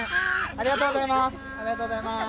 ありがとうございます。